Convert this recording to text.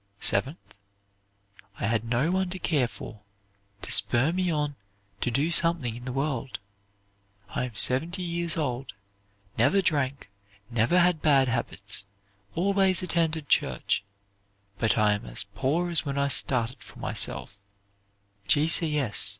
Seventh, "I had no one to care for, to spur me on to do something in the world. I am seventy years old, never drank, never had bad habits, always attended church. But I am as poor as when I started for myself."